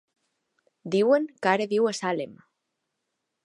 Diuen que ara viu a Salem.